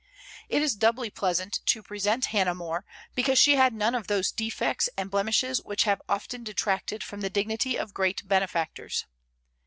It is doubly pleasant to present Hannah More, because she had none of those defects and blemishes which have often detracted from the dignity of great benefactors.